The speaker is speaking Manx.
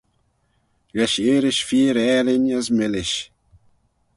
Lesh earish feer aalin as millish.